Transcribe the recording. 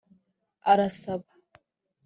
arasaba